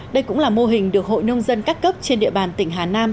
đây cũng là mô hình được hội nông dân các cấp trên địa bàn tỉnh hà nam